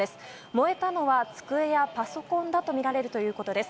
燃えたのは机やパソコンだとみられるということです。